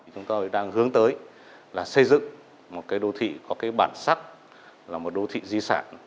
chúng tôi đang hướng tới là xây dựng một đô thị có bản sắc là một đô thị di sản